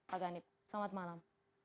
pak ghani selamat malam